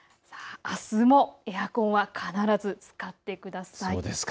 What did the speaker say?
あすもエアコンは必ず使ってください。